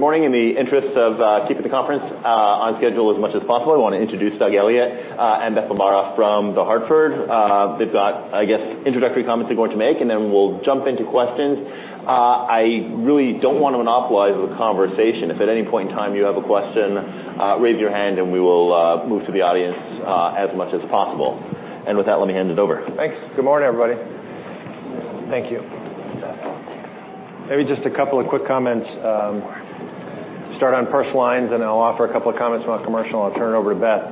Good morning. In the interest of keeping the conference on schedule as much as possible, I want to introduce Doug Elliot and Beth Bombara from The Hartford. They've got introductory comments they're going to make, and then we'll jump into questions. I really don't want to monopolize the conversation. If at any point in time you have a question, raise your hand and we will move to the audience as much as possible. With that, let me hand it over. Thanks. Good morning, everybody. Thank you. Maybe just a couple of quick comments. Start on Personal Lines, and then I'll offer a couple of comments about Commercial, and I'll turn it over to Beth.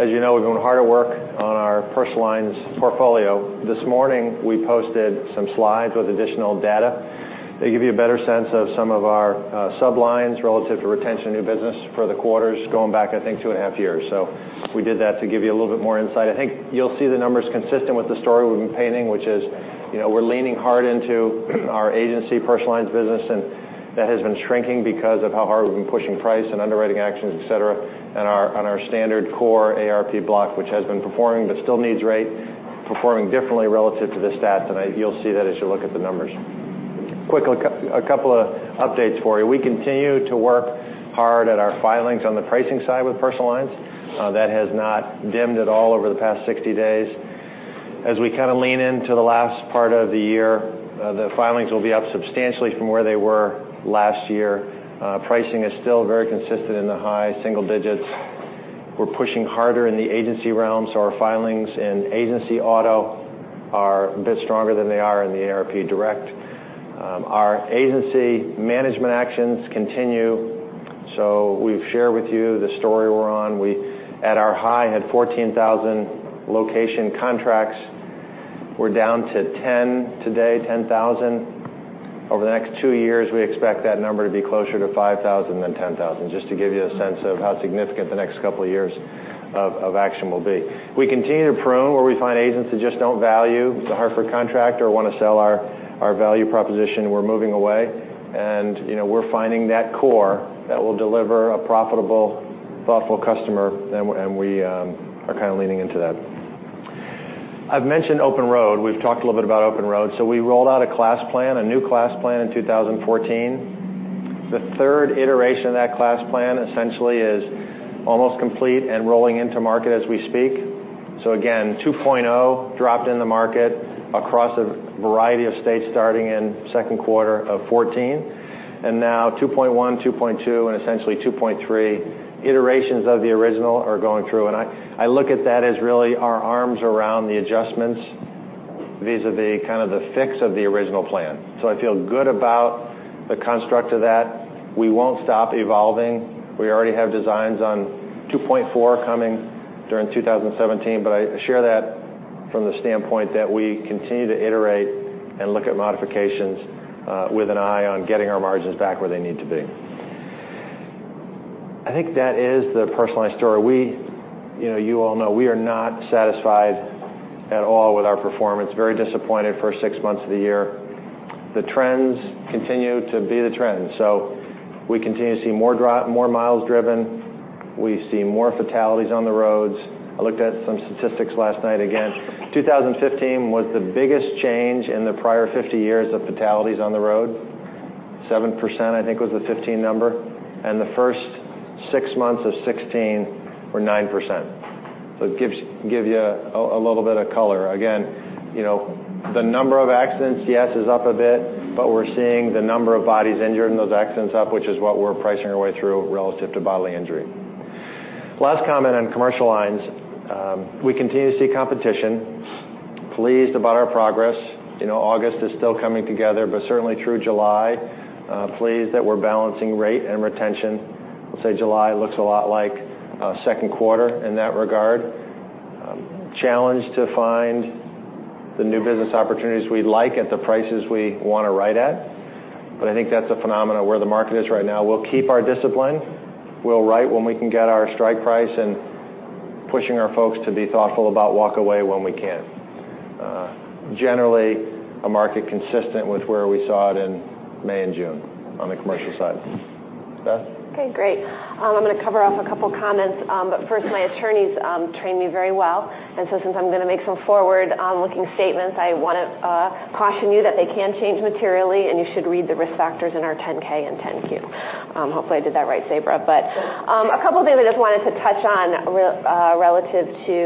As you know, we're doing hard work on our Personal Lines portfolio. This morning, we posted some slides with additional data. They give you a better sense of some of our sublines relative to retention new business for the quarters going back, I think, two and a half years. We did that to give you a little bit more insight. I think you'll see the numbers consistent with the story we've been painting, which is we're leaning hard into our agency Personal Lines business, and that has been shrinking because of how hard we've been pushing price and underwriting actions, et cetera, on our standard core AARP block, which has been performing, but still needs rate, performing differently relative to the stats. You'll see that as you look at the numbers. Quick, a couple of updates for you. We continue to work hard at our filings on the pricing side with Personal Lines. That has not dimmed at all over the past 60 days. As we kind of lean into the last part of the year, the filings will be up substantially from where they were last year. Pricing is still very consistent in the high single digits. We're pushing harder in the agency realm, so our filings in agency auto are a bit stronger than they are in the AARP Direct. Our agency management actions continue. We've shared with you the story we're on. We, at our high, had 14,000 location contracts. We're down to 10 today, 10,000. Over the next two years, we expect that number to be closer to 5,000 than 10,000, just to give you a sense of how significant the next couple of years of action will be. We continue to prune where we find agents who just don't value The Hartford contract or want to sell our value proposition, and we're moving away. We're finding that core that will deliver a profitable, thoughtful customer, and we are kind of leaning into that. I've mentioned Open Road. We've talked a little bit about Open Road. We rolled out a class plan, a new class plan in 2014. The third iteration of that class plan essentially is almost complete and rolling into market as we speak. Again, 2.0 dropped in the market across a variety of states starting in the second quarter of 2014. Now 2.1, 2.2, and essentially 2.3 iterations of the original are going through. I look at that as really our arms around the adjustments vis-à-vis the fix of the original plan. I feel good about the construct of that. We won't stop evolving. We already have designs on 2.4 coming during 2017, but I share that from the standpoint that we continue to iterate and look at modifications with an eye on getting our margins back where they need to be. I think that is the Personal Lines story. You all know we are not satisfied at all with our performance. Very disappointed first six months of the year. The trends continue to be the trends. We continue to see more miles driven. We see more fatalities on the roads. I looked at some statistics last night again. 2015 was the biggest change in the prior 50 years of fatalities on the road. 7%, I think, was the 2015 number, and the first six months of 2016 were 9%. It gives you a little bit of color. Again, the number of accidents, yes, is up a bit, but we're seeing the number of bodies injured in those accidents up, which is what we're pricing our way through relative to bodily injury. Last comment on Commercial Lines. We continue to see competition. Pleased about our progress. August is still coming together, certainly through July, pleased that we're balancing rate and retention. I'll say July looks a lot like second quarter in that regard. Challenged to find the new business opportunities we like at the prices we want to write at, I think that's a phenomenon where the market is right now. We'll keep our discipline. We'll write when we can get our strike price and pushing our folks to be thoughtful about walk away when we can. Generally, a market consistent with where we saw it in May and June on the commercial side. Beth? Okay, great. I'm going to cover off a couple comments. First, my attorneys trained me very well, since I'm going to make some forward-looking statements, I want to caution you that they can change materially, and you should read the risk factors in our 10-K and 10-Q. Hopefully, I did that right, Sabra. A couple of things I just wanted to touch on relative to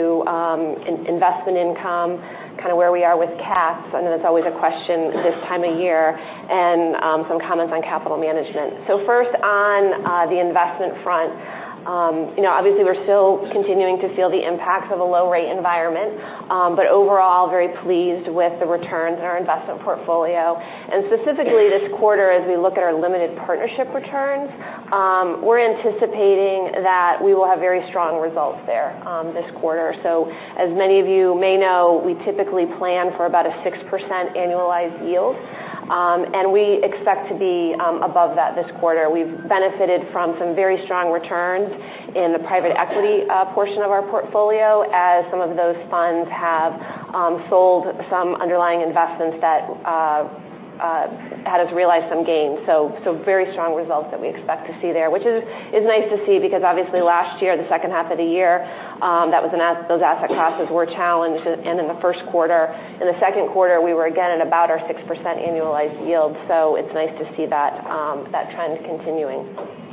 investment income, kind of where we are with cats. I know that's always a question this time of year, and some comments on capital management. First on the investment front. Obviously we're still continuing to feel the impacts of a low-rate environment. Overall, very pleased with the returns in our investment portfolio. Specifically this quarter, as we look at our limited partnership returns, we're anticipating that we will have very strong results there this quarter. As many of you may know, we typically plan for about a 6% annualized yield, and we expect to be above that this quarter. We've benefited from some very strong returns in the private equity portion of our portfolio as some of those funds have sold some underlying investments that had us realize some gains. Very strong results that we expect to see there, which is nice to see because obviously last year, the second half of the year, those asset classes were challenged, and in the first quarter. In the second quarter, we were again at about our 6% annualized yield. It's nice to see that trend continuing.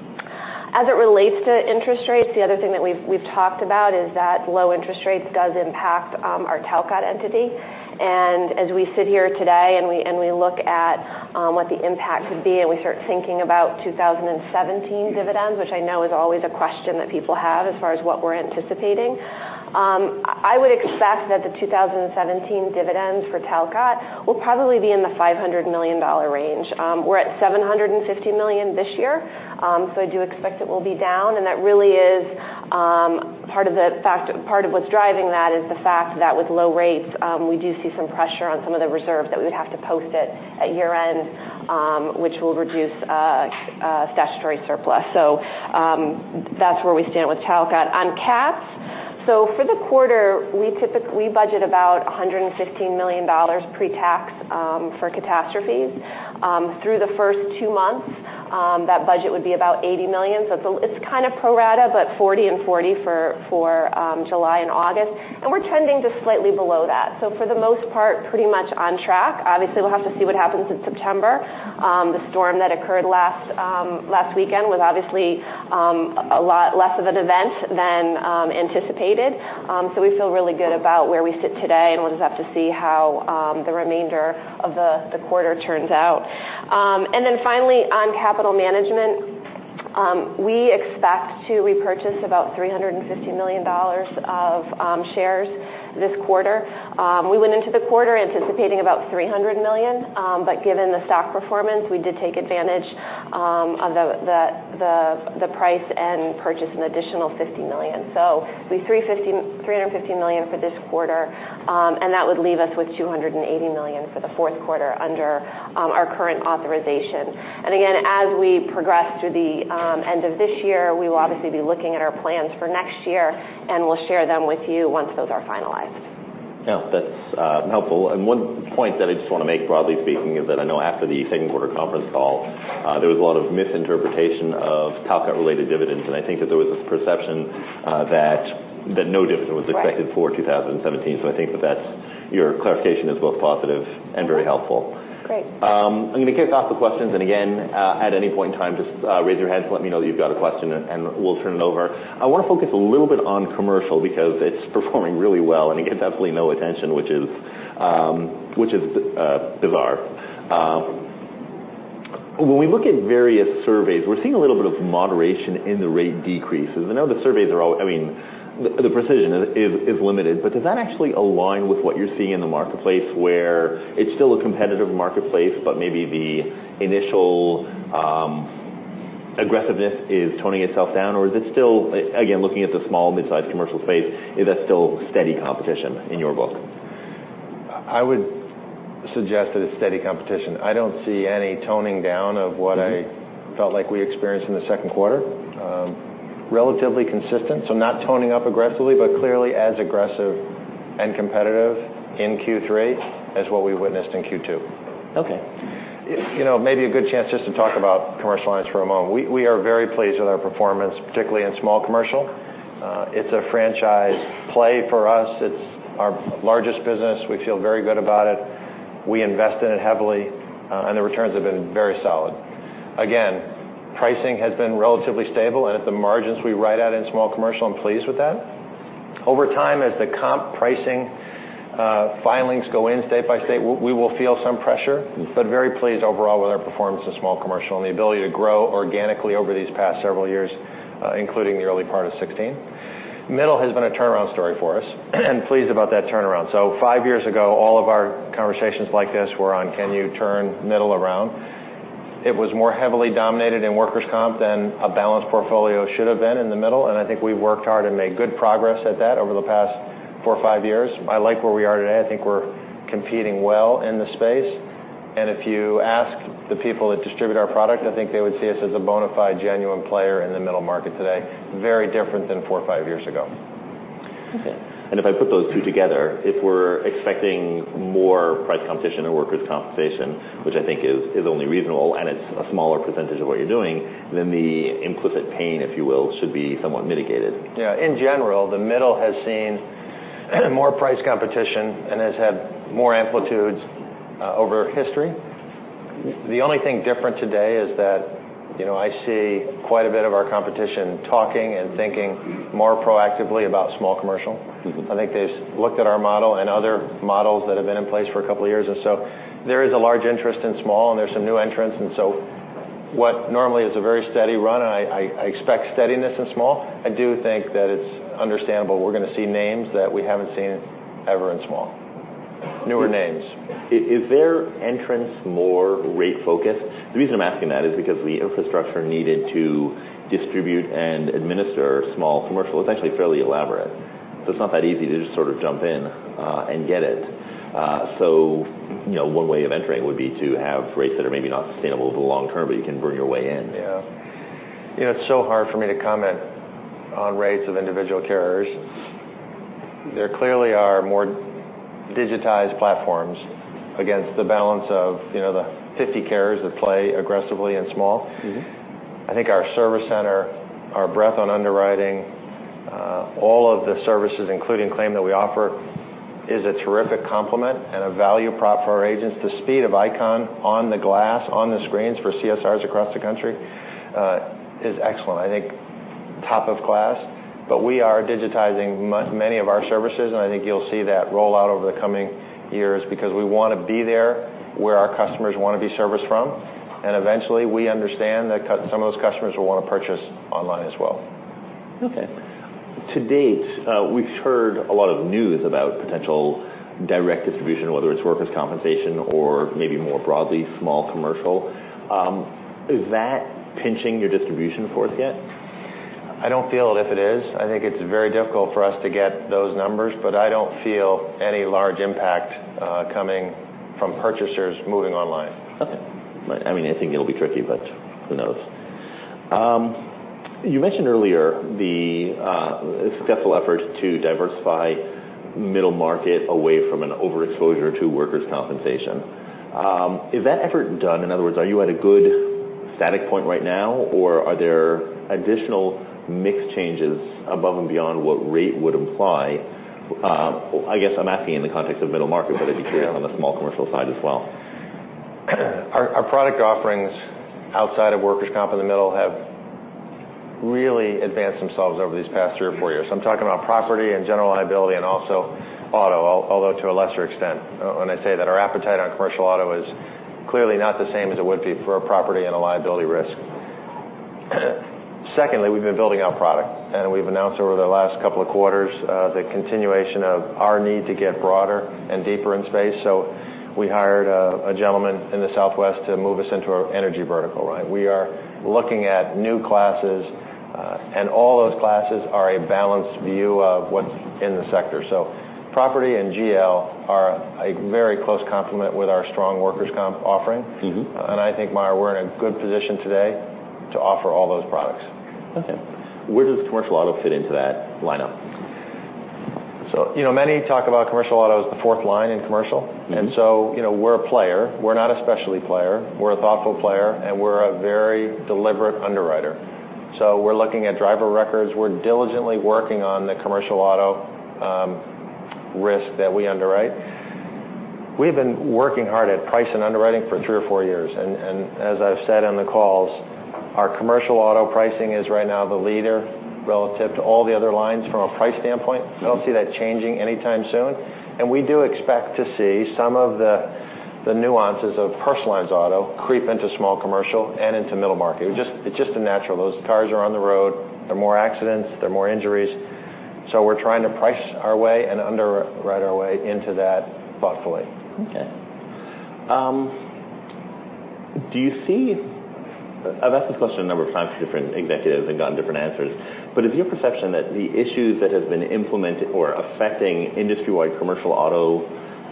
As it relates to interest rates, the other thing that we've talked about is that low interest rates does impact our Talcott entity. As we sit here today and we look at what the impact would be, and we start thinking about 2017 dividends, which I know is always a question that people have as far as what we're anticipating, I would expect that the 2017 dividends for Talcott will probably be in the $500 million range. We're at $750 million this year, I do expect it will be down, and part of what's driving that is the fact that with low rates, we do see some pressure on some of the reserves that we would have to post at year-end, which will reduce statutory surplus. That's where we stand with Talcott. On cat, for the quarter, we budget about $115 million pre-tax for catastrophes. Through the first two months, that budget would be about $80 million. It's kind of pro rata, but 40 and 40 for July and August, and we're trending just slightly below that. For the most part, pretty much on track. Obviously, we'll have to see what happens in September. The storm that occurred last weekend was obviously a lot less of an event than anticipated. We feel really good about where we sit today, and we'll just have to see how the remainder of the quarter turns out. Then finally, on capital management, we expect to repurchase about $350 million of shares this quarter. We went into the quarter anticipating about $300 million. Given the stock performance, we did take advantage of the price and purchased an additional $50 million. It'll be $350 million for this quarter, and that would leave us with $280 million for the fourth quarter under our current authorization. Again, as we progress through the end of this year, we will obviously be looking at our plans for next year, and we'll share them with you once those are finalized. Yeah. That's helpful. One point that I just want to make broadly speaking is that I know after the second quarter conference call, there was a lot of misinterpretation of Talcott-related dividends, and I think that there was this perception that no dividend was expected- Right for 2017. I think that your clarification is both positive and very helpful. Great. I'm going to kick off the questions. Again, at any point in time, just raise your hand to let me know that you've got a question, and we'll turn it over. I want to focus a little bit on Commercial because it's performing really well, and it gets absolutely no attention, which is bizarre. When we look at various surveys, we're seeing a little bit of moderation in the rate decreases. I know the precision is limited, but does that actually align with what you're seeing in the marketplace, where it's still a competitive marketplace, but maybe the initial aggressiveness is toning itself down? Again, looking at the small/midsize commercial space, is that still steady competition in your book? I would suggest that it's steady competition. I don't see any toning down of what I felt like we experienced in the second quarter. Relatively consistent. Not toning up aggressively, but clearly as aggressive and competitive in Q3 as what we witnessed in Q2. Okay. Maybe a good chance just to talk about Commercial Lines for a moment. We are very pleased with our performance, particularly in Small Commercial. It's a franchise play for us. It's our largest business. We feel very good about it. We invest in it heavily. The returns have been very solid. Again, pricing has been relatively stable, and at the margins we ride at in Small Commercial, I'm pleased with that. Over time, as the comp pricing filings go in state by state, we will feel some pressure. Very pleased overall with our performance in Small Commercial and the ability to grow organically over these past several years, including the early part of 2016. Middle has been a turnaround story for us and pleased about that turnaround. Five years ago, all of our conversations like this were on can you turn Middle around? Okay. It was more heavily dominated in workers' comp than a balanced portfolio should have been in the Middle, I think we've worked hard and made good progress at that over the past four or five years. I like where we are today. I think we're competing well in the space. If you ask the people that distribute our product, I think they would see us as a bona fide genuine player in the Middle Market today. Very different than four or five years ago. Okay. If I put those two together, if we're expecting more price competition in workers' compensation, which I think is only reasonable, it's a smaller percentage of what you're doing, the implicit pain, if you will, should be somewhat mitigated. Yeah. In general, the Middle has seen more price competition and has had more amplitudes over history. The only thing different today is that I see quite a bit of our competition talking and thinking more proactively about Small Commercial. I think they've looked at our model and other models that have been in place for a couple of years. There is a large interest in Small Commercial, and there are some new entrants. What normally is a very steady run, and I expect steadiness in Small Commercial, I do think that it's understandable we're going to see names that we haven't seen ever in Small Commercial. Newer names. Is their entrance more rate-focused? The reason I'm asking that is because the infrastructure needed to distribute and administer Small Commercial is actually fairly elaborate. It's not that easy to just sort of jump in and get it. One way of entering would be to have rates that are maybe not sustainable over the long term, but you can burn your way in. Yeah. It's so hard for me to comment on rates of individual carriers. There clearly are more digitized platforms against the balance of the 50 carriers that play aggressively in Small Commercial. I think our service center, our breadth on underwriting, all of the services, including claim that we offer is a terrific complement and a value prop for our agents. The speed of ICON on the glass, on the screens for CSRs across the country is excellent, I think top of class. We are digitizing many of our services, and I think you'll see that roll out over the coming years because we want to be there where our customers want to be serviced from. Eventually, we understand that some of those customers will want to purchase online as well. Okay. To date, we've heard a lot of news about potential direct distribution, whether it's workers' compensation or maybe more broadly, Small Commercial. Is that pinching your distribution force yet? I don't feel it if it is. I think it's very difficult for us to get those numbers, but I don't feel any large impact coming from purchasers moving online. Okay. I think it'll be tricky, but who knows? You mentioned earlier the successful effort to diversify Middle Market away from an overexposure to workers' compensation. Is that effort done? In other words, are you at a good static point right now, or are there additional mix changes above and beyond what rate would imply? I guess I'm asking in the context of Middle Market, but I'd be curious on the Small Commercial side as well. Our product offerings outside of workers' comp in the middle have really advanced themselves over these past three or four years. I'm talking about property and general liability and also auto, although to a lesser extent when I say that our appetite on commercial auto is clearly not the same as it would be for a property and a liability risk. Secondly, we've been building our product, and we've announced over the last couple of quarters the continuation of our need to get broader and deeper in space. We hired a gentleman in the Southwest to move us into our energy vertical. We are looking at new classes, and all those classes are a balanced view of what's in the sector. Property and GL are a very close complement with our strong workers' comp offering. I think, Meyer, we're in a good position today to offer all those products. Okay. Where does commercial auto fit into that lineup? Many talk about commercial auto as the fourth line in commercial. We're a player. We're not a specialty player. We're a thoughtful player, and we're a very deliberate underwriter. We're looking at driver records. We're diligently working on the commercial auto risk that we underwrite. We've been working hard at price and underwriting for three or four years, and as I've said on the calls, our commercial auto pricing is right now the leader relative to all the other lines from a price standpoint. I don't see that changing anytime soon. We do expect to see some of the nuances of Personal Lines auto creep into Small Commercial and into Middle Market. It's just a natural. Those cars are on the road. There are more accidents. There are more injuries. We're trying to price our way and underwrite our way into that thoughtfully. Okay. I've asked this question a number of times to different executives and gotten different answers. Is your perception that the issues that have been implemented or affecting industry-wide commercial auto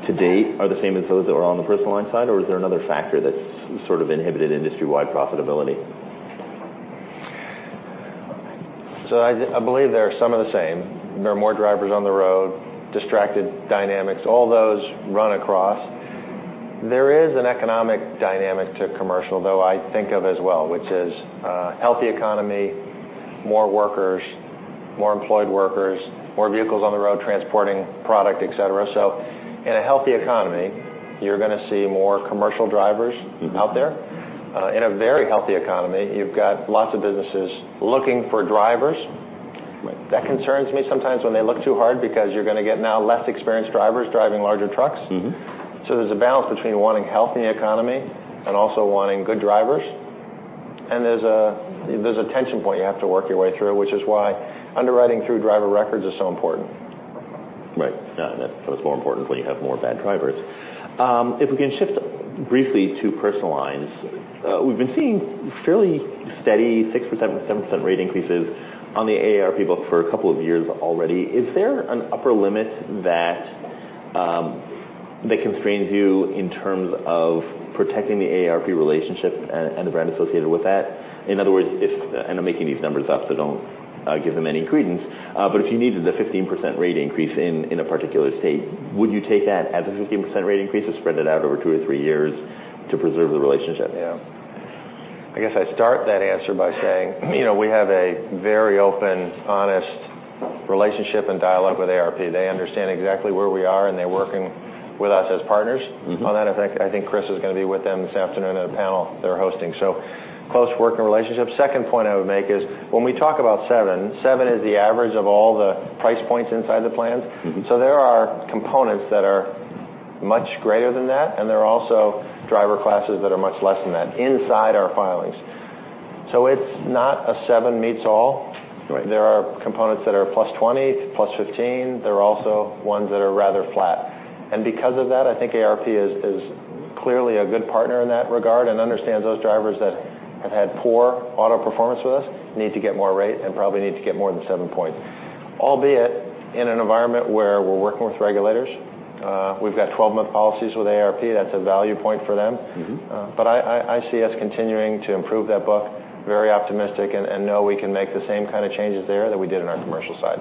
to date are the same as those that are on the Personal Lines side, or is there another factor that's sort of inhibited industry-wide profitability? I believe they are some of the same. There are more drivers on the road, distracted dynamics, all those run across. There is an economic dynamic to commercial, though, I think of as well, which is a healthy economy, more workers, more employed workers, more vehicles on the road transporting product, et cetera. In a healthy economy, you're going to see more commercial drivers out there. In a very healthy economy, you've got lots of businesses looking for drivers. Right. That concerns me sometimes when they look too hard because you're going to get now less experienced drivers driving larger trucks. There's a balance between wanting a healthy economy and also wanting good drivers. There's a tension point you have to work your way through, which is why underwriting through driver records is so important. Right. It's more important when you have more bad drivers. If we can shift briefly to Personal Lines, we've been seeing fairly steady 6%, 7% rate increases on the AARP book for a couple of years already. Is there an upper limit that constrains you in terms of protecting the AARP relationship and the brand associated with that? In other words, and I'm making these numbers up, so don't give them any credence, but if you needed a 15% rate increase in a particular state, would you take that as a 15% rate increase or spread it out over two or three years to preserve the relationship? Yeah. I guess I'd start that answer by saying we have a very open, honest relationship and dialogue with AARP. They understand exactly where we are, and they're working with us as partners on that. I think Chris is going to be with them this afternoon on a panel they're hosting. Close working relationship. Second point I would make is when we talk about seven is the average of all the price points inside the plans. There are components that are much greater than that, and there are also driver classes that are much less than that inside our filings. It's not a seven meets all. Right. There are components that are plus 20, plus 15. There are also ones that are rather flat. Because of that, I think AARP is clearly a good partner in that regard and understands those drivers that have had poor auto performance with us need to get more rate and probably need to get more than seven point. Albeit, in an environment where we're working with regulators, we've got 12-month policies with AARP. That's a value point for them. I see us continuing to improve that book, very optimistic, and know we can make the same kind of changes there that we did on our commercial side.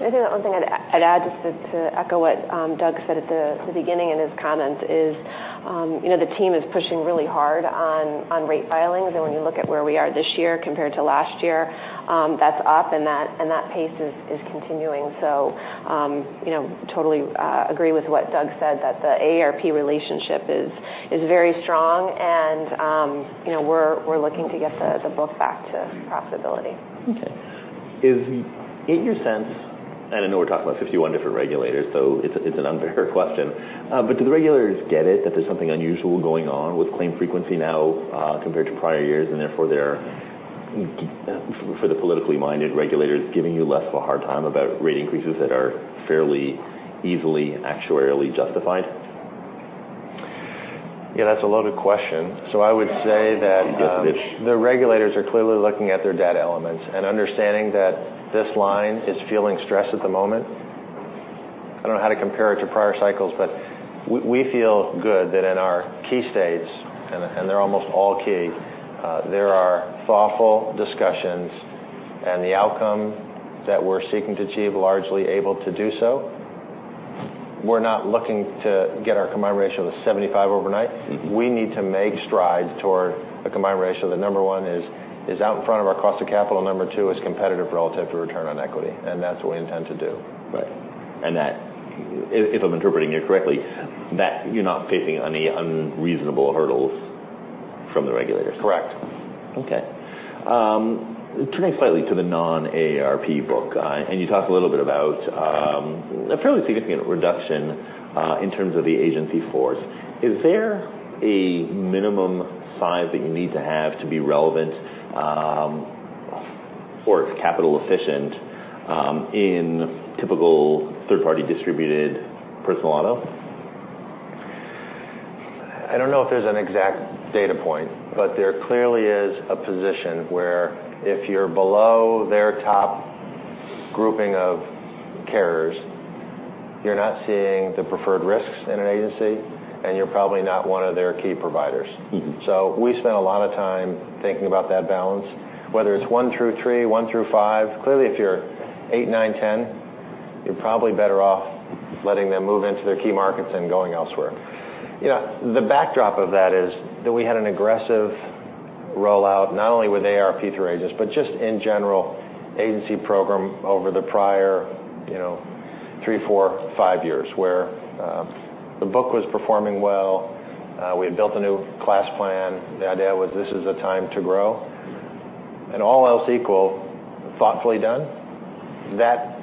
Maybe the one thing I'd add, just to echo what Doug said at the beginning in his comments is, the team is pushing really hard on rate filings. When you look at where we are this year compared to last year, that's up and that pace is continuing. Totally agree with what Doug said, that the AARP relationship is very strong and we're looking to get the book back to profitability. Okay. In your sense, and I know we're talking about 51 different regulators, so it's an unfair question, but do the regulators get it, that there's something unusual going on with claim frequency now, compared to prior years, and therefore they're, for the politically minded regulators, giving you less of a hard time about rate increases that are fairly easily actuarially justified? Yeah, that's a loaded question. You get to The regulators are clearly looking at their data elements and understanding that this line is feeling stress at the moment. I don't know how to compare it to prior cycles, but we feel good that in our key states, and they're almost all key, there are thoughtful discussions and the outcome that we're seeking to achieve, largely able to do so. We're not looking to get our combined ratio to 75 overnight. We need to make strides toward a combined ratio that, number one is, out in front of our cost of capital. Number two, is competitive relative to return on equity. That's what we intend to do. Right. That, if I'm interpreting you correctly, that you're not facing any unreasonable hurdles from the regulators. Correct. Okay. Turning slightly to the non-AARP book, you talked a little bit about a fairly significant reduction in terms of the agency force. Is there a minimum size that you need to have to be relevant, or it's capital efficient, in typical third-party distributed Personal Lines auto? I don't know if there's an exact data point, there clearly is a position where if you're below their top grouping of carriers, you're not seeing the preferred risks in an agency, you're probably not one of their key providers. We spent a lot of time thinking about that balance, whether it's one through three, one through five. Clearly, if you're eight, nine, 10, you're probably better off letting them move into their key markets than going elsewhere. The backdrop of that is that we had an aggressive rollout, not only with AARP through agents, but just in general agency program over the prior three, four, five years, where the book was performing well. We had built a new class plan. The idea was this is a time to grow. All else equal, thoughtfully done. That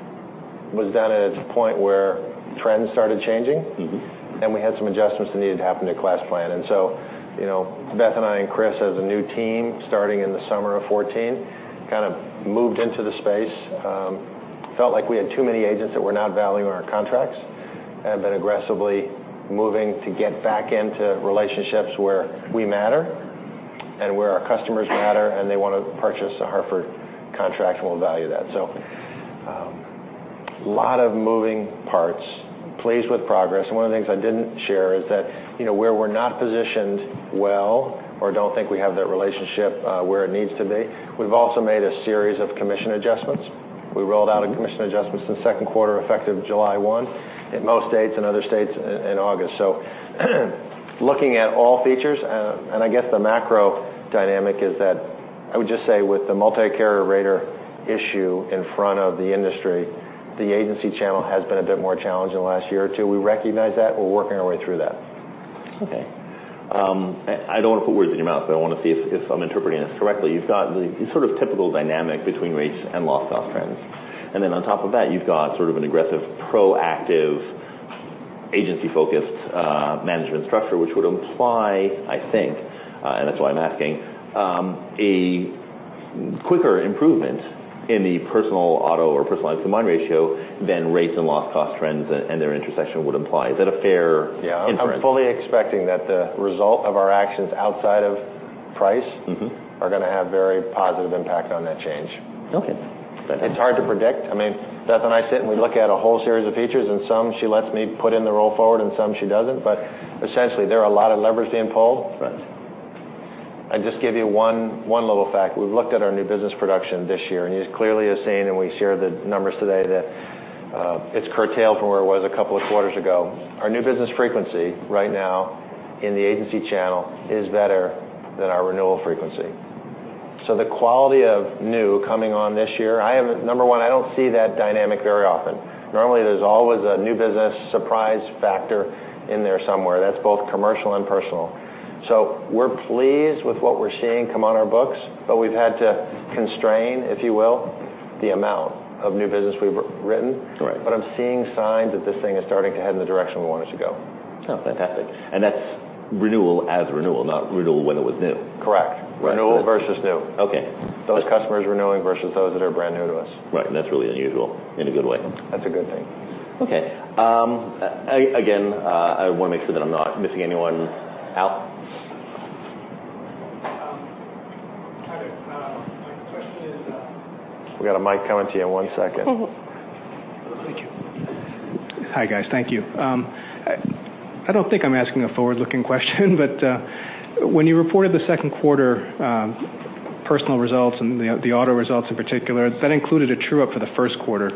was done at a point where trends started changing. We had some adjustments that needed to happen to class plan. Beth and I, and Chris, as a new team, starting in the summer of 2014, kind of moved into the space. Felt like we had too many agents that were not valuing our contracts, have been aggressively moving to get back into relationships where we matter and where our customers matter, they want to purchase a Hartford contract and will value that. Lot of moving parts, pleased with progress. One of the things I didn't share is that, where we're not positioned well or don't think we have that relationship where it needs to be, we've also made a series of commission adjustments. We rolled out a commission adjustments in the second quarter, effective July 1 in most states, other states in August. Looking at all features, and I guess the macro dynamic is that I would just say with the multi-carrier rater issue in front of the industry, the agency channel has been a bit more challenging the last year or two. We recognize that. We're working our way through that. Okay. I don't want to put words in your mouth, but I want to see if I'm interpreting this correctly. You've got the sort of typical dynamic between rates and loss cost trends. Then on top of that, you've got sort of an aggressive, proactive agency-focused management structure, which would imply, I think, and that's why I'm asking, a quicker improvement in the personal auto or Personal Lines combined ratio than rates and loss cost trends and their intersection would imply. Is that a fair inference? Yeah. I'm fully expecting that the result of our actions outside of price- are going to have very positive impact on that change. Okay. That's It's hard to predict. I mean, Beth and I sit, we look at a whole series of features, some she lets me put in the roll forward, some she doesn't. Essentially, there are a lot of levers being pulled. Right. I just gave you one little fact. We've looked at our new business production this year, it clearly is saying, we share the numbers today, that it's curtailed from where it was a couple of quarters ago. Our new business frequency right now in the agency channel is better than our renewal frequency. The quality of new coming on this year, number one, I don't see that dynamic very often. Normally, there's always a new business surprise factor in there somewhere. That's both Commercial and Personal. We're pleased with what we're seeing come on our books, we've had to constrain, if you will, the amount of new business we've written. Correct. I'm seeing signs that this thing is starting to head in the direction we want it to go. Oh, fantastic. That's renewal as renewal, not renewal when it was new. Correct. Right. Renewal versus new. Okay. Those customers renewing versus those that are brand new to us. Right. That's really unusual in a good way. That's a good thing. Okay. Again, I want to make sure that I'm not missing anyone. Al? Hi there. My question is. We've got a mic coming to you in one second. Hi, guys. Thank you. I don't think I'm asking a forward-looking question, but when you reported the second quarter Personal Lines results and the auto results in particular, that included a true-up for the first quarter.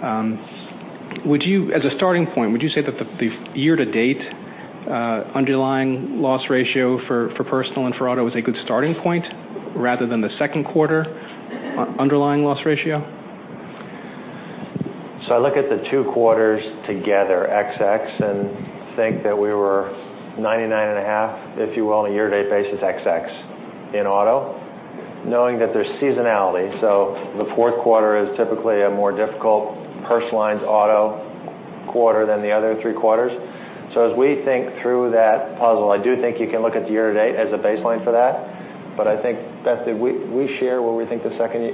As a starting point, would you say that the year-to-date underlying loss ratio for Personal Lines and for auto is a good starting point rather than the second quarter underlying loss ratio? I look at the two quarters together and think that we were 99.5, if you will, on a year-to-date basis in auto, knowing that there's seasonality. The fourth quarter is typically a more difficult Personal Lines auto quarter than the other three quarters. As we think through that puzzle, I do think you can look at the year-to-date as a baseline for that. I think, Beth, we share where we think the second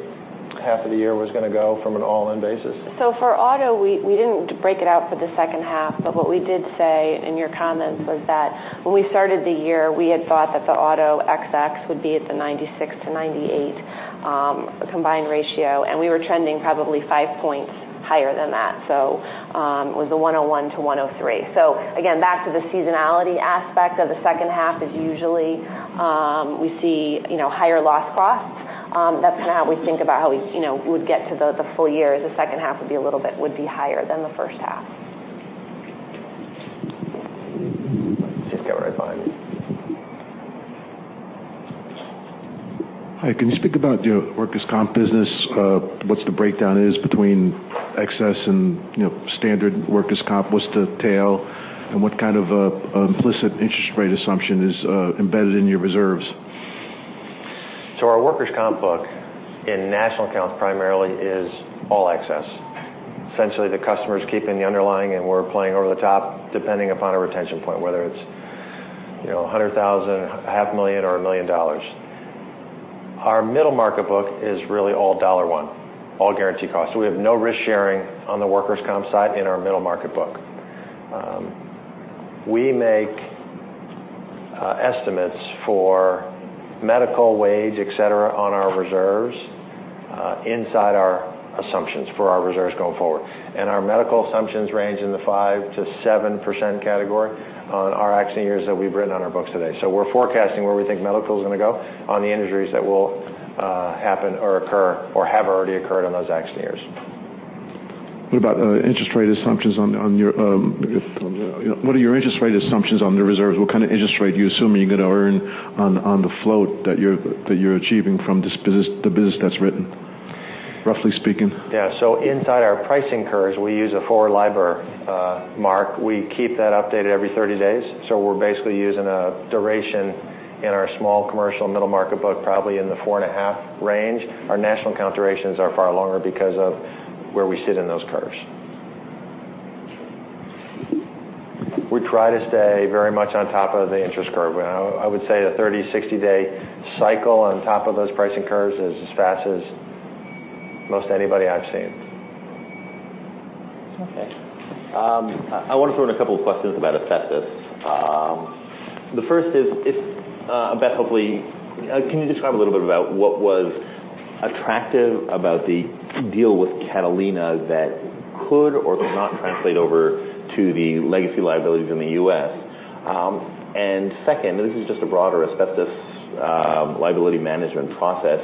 half of the year was going to go from an all-in basis. For auto, we didn't break it out for the second half. What we did say in your comments was that when we started the year, we had thought that the auto would be at the 96%-98% combined ratio, and we were trending probably five points higher than that. It was a 101%-103%. Again, back to the seasonality aspect of the second half is usually we see higher loss costs. That's kind of how we think about how we would get to the full year. The second half would be higher than the first half. Just go right behind you. Hi, can you speak about your workers' comp business, what the breakdown is between excess and standard workers' comp? What's the tail, and what kind of implicit interest rate assumption is embedded in your reserves? Our workers' comp book in National Accounts primarily is all excess. Essentially, the customer's keeping the underlying, and we're playing over the top depending upon a retention point, whether it's $100,000, a half million or $1 million. Our Middle Market book is really all dollar one, all guaranteed cost. We have no risk-sharing on the workers' comp side in our Middle Market book. We make estimates for medical wage, et cetera, on our reserves inside our assumptions for our reserves going forward. Our medical assumptions range in the 5%-7% category on our accident years that we've written on our books today. We're forecasting where we think medical is going to go on the injuries that will happen or occur or have already occurred on those accident years. What are your interest rate assumptions on the reserves? What kind of interest rate do you assume you're going to earn on the float that you're achieving from the business that's written, roughly speaking? Yeah. Inside our pricing curves, we use a forward LIBOR mark. We keep that updated every 30 days. We're basically using a duration in our Small Commercial Middle Market book, probably in the 4.5 range. Our National Accounts durations are far longer because of where we sit in those curves. We try to stay very much on top of the interest curve. I would say the 30, 60-day cycle on top of those pricing curves is as fast as most anybody I've seen. Okay. I want to throw in a couple of questions about asbestos. The first is, Beth, hopefully, can you describe a little bit about what was attractive about the deal with Catalina that could or could not translate over to the legacy liabilities in the U.S.? Second, this is just a broader asbestos liability management process,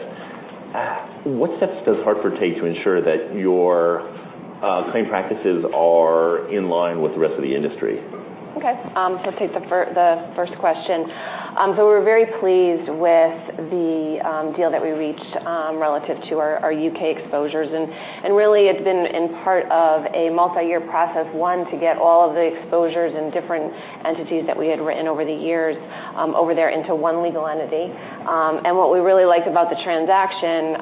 what steps does Hartford take to ensure that your claim practices are in line with the rest of the industry? Okay. I'll take the first question. We were very pleased with the deal that we reached relative to our U.K. exposures. Really, it's been in part of a multi-year process. One, to get all of the exposures in different entities that we had written over the years over there into one legal entity. What we really liked about the transaction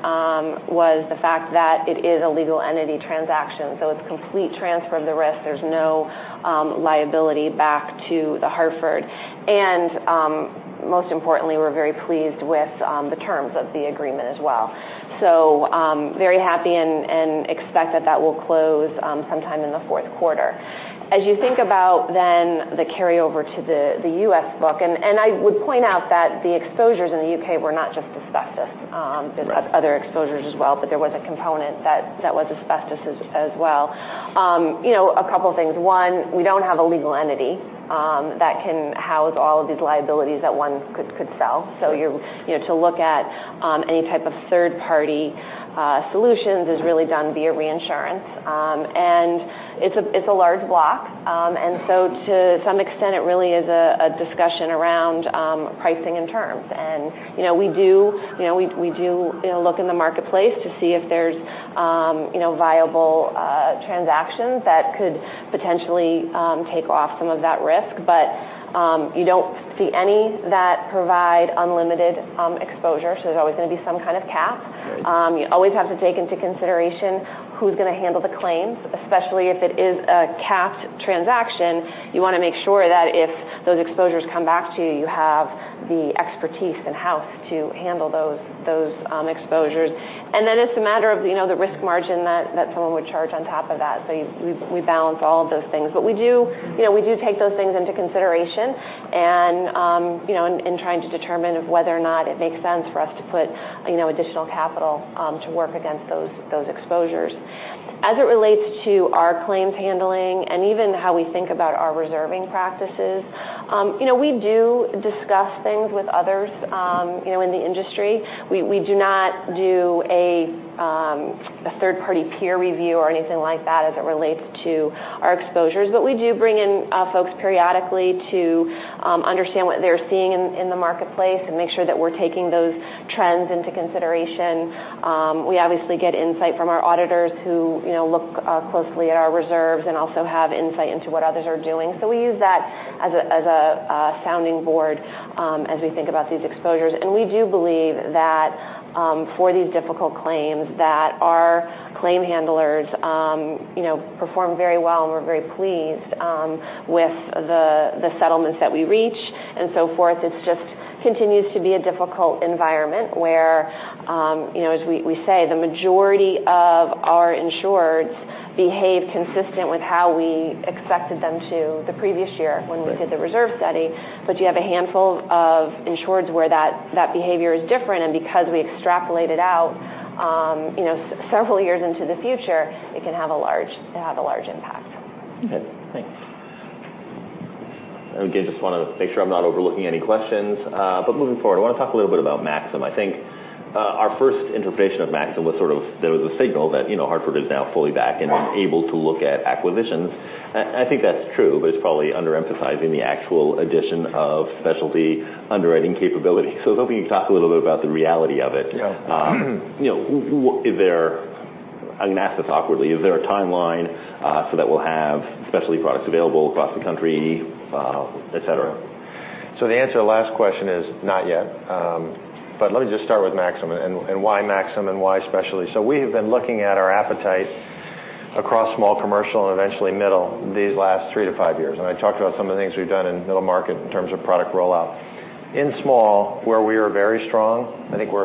was the fact that it is a legal entity transaction. It's a complete transfer of the risk. There's no liability back to The Hartford. Most importantly, we're very pleased with the terms of the agreement as well. Very happy and expect that that will close sometime in the fourth quarter. As you think about then the carryover to the U.S. book, I would point out that the exposures in the U.K. were not just asbestos. Right. There were other exposures as well, but there was a component that was asbestos as well. A couple of things. One, we don't have a legal entity that can house all of these liabilities that one could sell. To look at any type of third-party solutions is really done via reinsurance. It's a large block. To some extent, it really is a discussion around pricing and terms. We do look in the marketplace to see if there's viable transactions that could potentially take off some of that risk. You don't see any that provide unlimited exposure, so there's always going to be some kind of cap. Right. You always have to take into consideration who's going to handle the claims, especially if it is a capped transaction. You want to make sure that if those exposures come back to you have the expertise in-house to handle those exposures. Then it's a matter of the risk margin that someone would charge on top of that. We balance all of those things. We do take those things into consideration in trying to determine whether or not it makes sense for us to put additional capital to work against those exposures. As it relates to our claims handling and even how we think about our reserving practices, we do discuss things with others in the industry. We do not do a third-party peer review or anything like that as it relates to our exposures. We do bring in folks periodically to understand what they're seeing in the marketplace and make sure that we're taking those trends into consideration. We obviously get insight from our auditors, who look closely at our reserves and also have insight into what others are doing. We use that as a sounding board as we think about these exposures. We do believe that for these difficult claims, that our claim handlers perform very well, and we're very pleased with the settlements that we reach and so forth. It just continues to be a difficult environment where, as we say, the majority of our insureds behave consistent with how we expected them to the previous year when we did the reserve study. You have a handful of insureds where that behavior is different, and because we extrapolate it out several years into the future, it can have a large impact. Okay, thanks. Again, just want to make sure I'm not overlooking any questions. Moving forward, I want to talk a little bit about Maxum. I think our first interpretation of Maxum was there was a signal that Hartford is now fully back and able to look at acquisitions. I think that's true, but it's probably under-emphasizing the actual addition of specialty underwriting capability. I was hoping you could talk a little bit about the reality of it. Yeah. I'm going to ask this awkwardly. Is there a timeline so that we'll have specialty products available across the country, et cetera? The answer to the last question is not yet. Let me just start with Maxum and why Maxum and why specialty. We have been looking at our appetite across Small Commercial and eventually middle these last three to five years, and I talked about some of the things we've done in Middle Market in terms of product rollout. In small, where we are very strong, I think we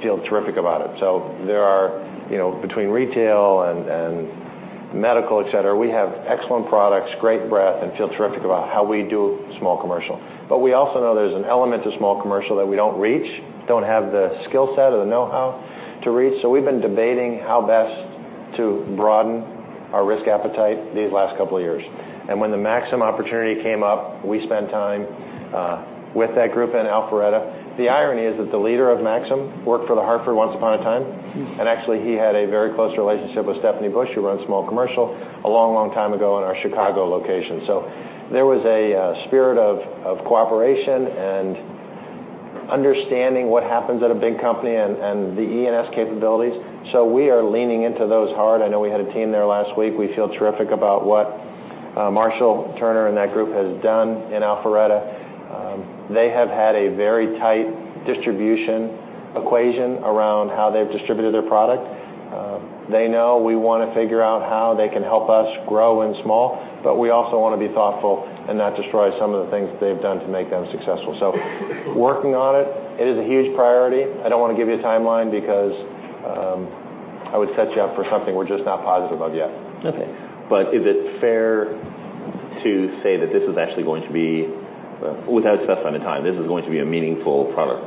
feel terrific about it. Between retail and medical, et cetera, we have excellent products, great breadth, and feel terrific about how we do Small Commercial. We also know there's an element to Small Commercial that we don't reach, don't have the skill set or the know-how to reach. We've been debating how best to broaden our risk appetite these last couple of years. When the Maxum opportunity came up, we spent time with that group in Alpharetta. The irony is that the leader of Maxum worked for The Hartford once upon a time, and actually he had a very close relationship with Stephanie Bush, who runs Small Commercial, a long, long time ago in our Chicago location. There was a spirit of cooperation and understanding what happens at a big company and the E&S capabilities. We are leaning into those hard. I know we had a team there last week. We feel terrific about what Marshall Turner and that group has done in Alpharetta. They have had a very tight distribution equation around how they've distributed their product. They know we want to figure out how they can help us grow in small, but we also want to be thoughtful and not destroy some of the things that they've done to make them successful. Working on it is a huge priority. I don't want to give you a timeline because I would set you up for something we're just not positive of yet. Okay. Is it fair to say that this is actually going to be, without a specified time, this is going to be a meaningful product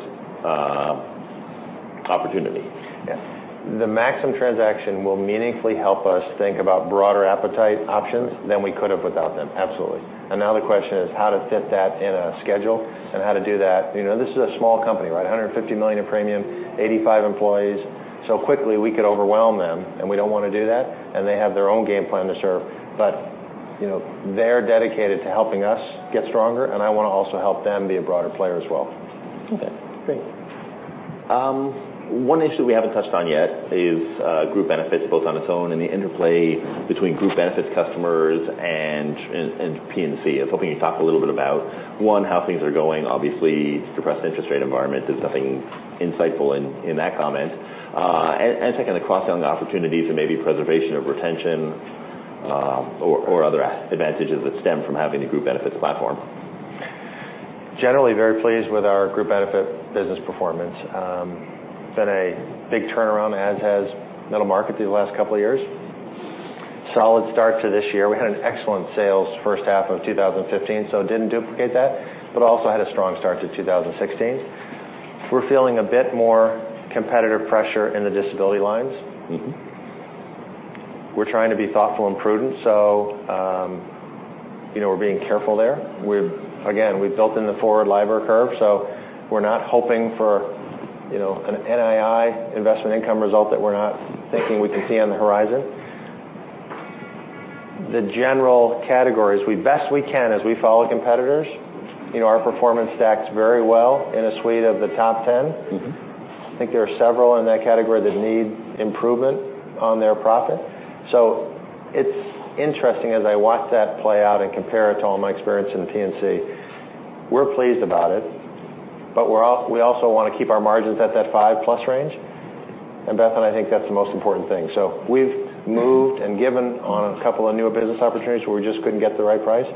opportunity? Yeah. The Maxum transaction will meaningfully help us think about broader appetite options than we could have without them. Absolutely. Now the question is how to fit that in a schedule and how to do that. This is a small company, right? $150 million in premium, 85 employees. Quickly we could overwhelm them, and we don't want to do that, and they have their own game plan to serve. They're dedicated to helping us get stronger, and I want to also help them be a broader player as well. Okay, great. One issue we haven't touched on yet is Group Benefits, both on its own and the interplay between Group Benefits customers and P&C. I was hoping you'd talk a little bit about, one, how things are going. Obviously, depressed interest rate environment. There's nothing insightful in that comment. Second, the cross-sell opportunities and maybe preservation of retention or other advantages that stem from having a Group Benefits platform. Generally very pleased with our Group Benefits business performance. It's been a big turnaround, as has Middle Market these last couple of years. Solid start to this year. We had an excellent sales first half of 2015. It didn't duplicate that, but also had a strong start to 2016. We're feeling a bit more competitive pressure in the disability lines. We're trying to be thoughtful and prudent. We're being careful there. Again, we've built in the forward LIBOR curve. We're not hoping for an NII investment income result that we're not thinking we can see on the horizon. The general categories, best we can as we follow competitors, our performance stacks very well in a suite of the top 10. I think there are several in that category that need improvement on their profit. It's interesting as I watch that play out and compare it to all my experience in the P&C. We're pleased about it, but we also want to keep our margins at that 5-plus range, and Beth and I think that's the most important thing. We've moved and given on a couple of new business opportunities where we just couldn't get the right price.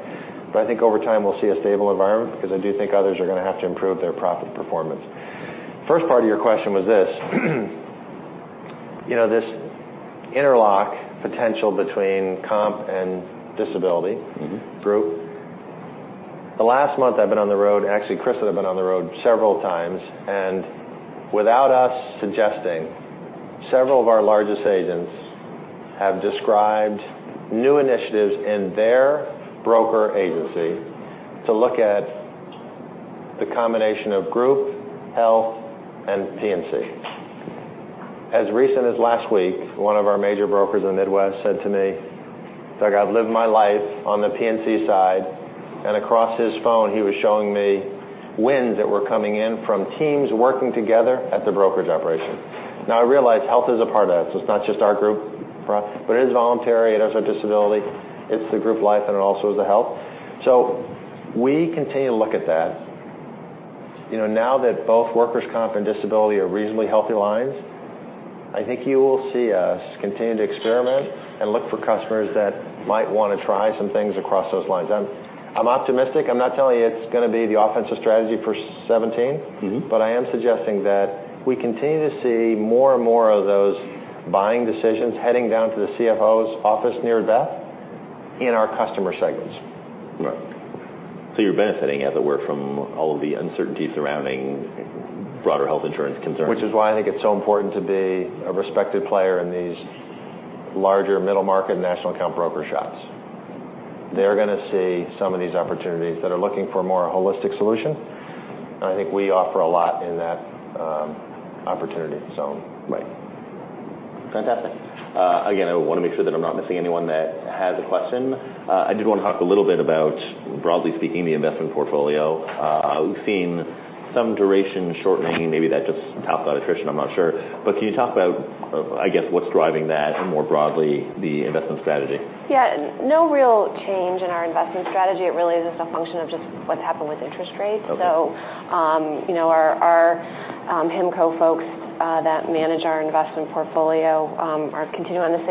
I think over time we'll see a stable environment because I do think others are going to have to improve their profit performance. First part of your question was this. This interlock potential between comp and disability group. The last month I've been on the road, actually, Chris and I have been on the road several times, without us suggesting, several of our largest agents have described new initiatives in their broker agency to look at the combination of group health and P&C. As recent as last week, one of our major brokers in the Midwest said to me, "Doug, I've lived my life on the P&C side." Across his phone, he was showing me wins that were coming in from teams working together at the brokerage operation. I realize health is a part of that. It's not just our group, but it is voluntary. It has our disability. It's the group life, and it also is the health. We continue to look at that. That both workers' comp and disability are reasonably healthy lines, I think you will see us continue to experiment and look for customers that might want to try some things across those lines. I'm optimistic. I'm not telling you it's going to be the offensive strategy for 2017. I am suggesting that we continue to see more and more of those buying decisions heading down to the CFO's office near Beth in our customer segments. Right. You're benefiting, as it were, from all of the uncertainty surrounding broader health insurance concerns. Which is why I think it's so important to be a respected player in these larger Middle Market national account broker shops. They're going to see some of these opportunities that are looking for a more holistic solution, and I think we offer a lot in that opportunity zone. Right. Fantastic. Again, I want to make sure that I'm not missing anyone that has a question. I did want to talk a little bit about, broadly speaking, the investment portfolio. We've seen some duration shortening. Maybe that's just top-line attrition, I'm not sure. Can you talk about, I guess, what's driving that and more broadly, the investment strategy? Yeah. No real change in our investment strategy. It really is just a function of just what's happened with interest rates. Okay. Our HIMCO folks that manage our investment portfolio continue on the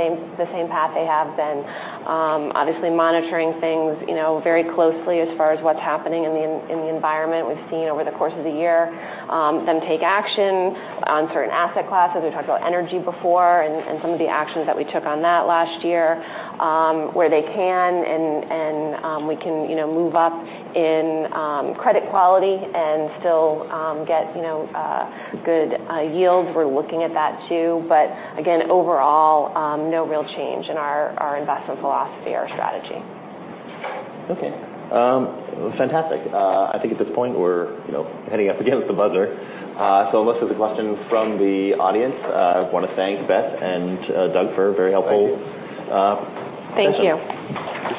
same path they have been. Obviously monitoring things very closely as far as what's happening in the environment. We've seen over the course of the year them take action on certain asset classes. We talked about energy before and some of the actions that we took on that last year. Where they can and we can move up in credit quality and still get good yields, we're looking at that too. Again, overall, no real change in our investment philosophy or strategy. Okay. Fantastic. I think at this point, we're heading up again with the buzzer. Most of the questions from the audience. I want to thank Beth and Doug for a very helpful session. Thank you.